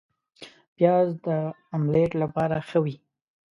پیاز د املیټ لپاره ښه وي